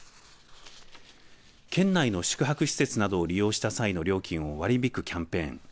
県内の宿泊施設などを利用した際の料金を割り引くキャンペーン